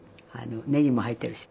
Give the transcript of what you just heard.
ねぎも入ってるし。